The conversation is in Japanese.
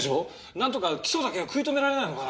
なんとか起訴だけは食い止められないのかな？